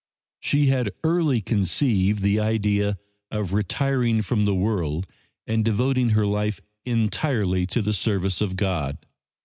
She had early conceived the idea of retiring from the world and devoting her life entirely to the service of God.